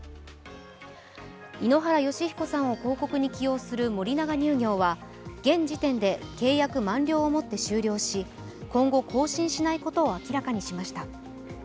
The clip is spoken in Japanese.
井ノ原快彦さんを広告に起用する森永乳業は現時点で契約満了を持って終了し今後、更新しないことを明らかにしました。